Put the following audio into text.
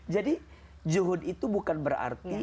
jadi zuhud itu bukan berarti